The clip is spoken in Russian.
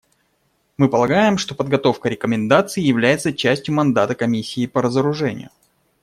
Мы полагаем, что подготовка рекомендаций является частью мандата Комиссии по разоружению.